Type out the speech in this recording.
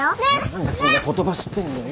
何でそんな言葉知ってんだよ。